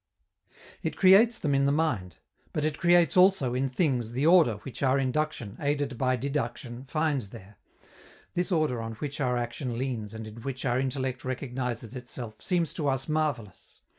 It creates them in the mind. But it creates also, in things, the "order" which our induction, aided by deduction, finds there. This order, on which our action leans and in which our intellect recognizes itself, seems to us marvelous.